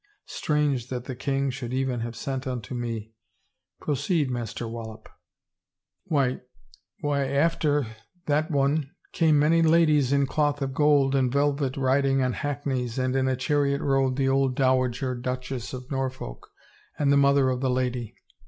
Strange that the king should even have sent unto me — Proceed, Master Wallop." "Why — why after — that one — came many ladies in cloth of gold and velvet riding on hackneys, and in a chariot rode the old Dowager Duchess of Nor folk and the mother of the lady.